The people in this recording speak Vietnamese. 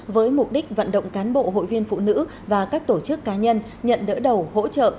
với mục đích vận động cán bộ hội viên phụ nữ và các tổ chức cá nhân nhận đỡ đầu hỗ trợ